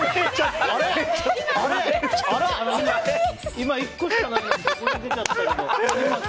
今１個しかないのに出ちゃったけど。